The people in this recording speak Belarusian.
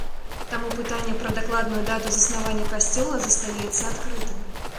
Таму пытанне пра дакладную дату заснавання касцёла застаецца адкрытым.